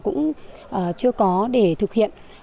cũng chưa có để thực hiện